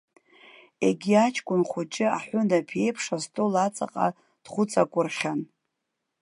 Егьи аҷкәын хәыҷы, аҳәынаԥ еиԥш астол аҵаҟа дхәыҵакәырхьан.